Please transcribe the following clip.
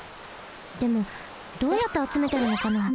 でもどうやってあつめてるのかな？